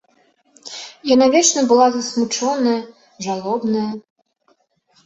Яна вечна была засмучоная, жалобная.